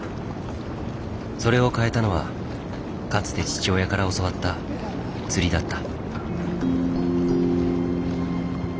それを変えたのはかつて父親から教わった釣りだった。